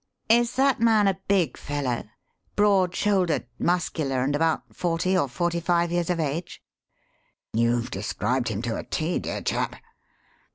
Is that man a big fellow broad shouldered, muscular, and about forty or forty five years of age?" "You've described him to a T, dear chap.